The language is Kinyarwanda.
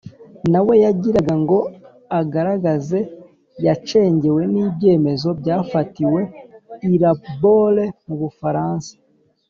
na we yagiraga ngo agaragaze yacengewe n'ibyemezo byafatiwe i la baule mu bufaransa.